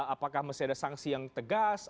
apakah masih ada sangsi yang tegas